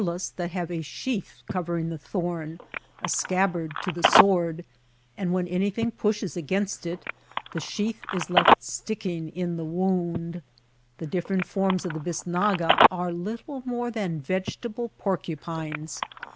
There are ehollas that have a sheath covering the thorn — a scabbard to the sword — and when anything pushes against it the sheath is left sticking in the wound. The different forms of the bisnaga are little more than vegetable por cupines.